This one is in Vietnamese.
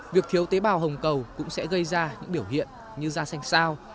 việc thiếu tế bào hồng cầu cũng sẽ gây ra những biểu hiện như da xanh sao